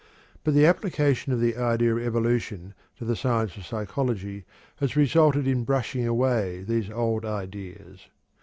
But the application of the idea of evolution to the science of psychology has resulted in brushing away these old ideas.